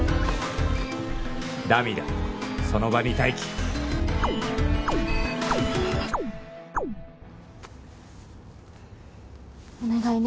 ダミーだその場に待機お願いね